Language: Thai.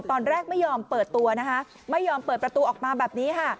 ไม่ยอมเปิดตัวนะคะไม่ยอมเปิดประตูออกมาแบบนี้ค่ะ